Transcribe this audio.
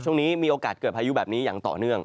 ช่วงนี้มีโอกาสเกิดพายุแบบนี้อย่างต่อเนื่อง